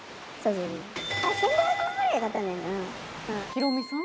ヒロミさん？